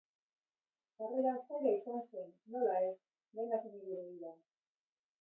Sarrera zaila izan zen, nola ez!, denak niri begira.